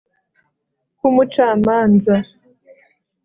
Nkumucamanza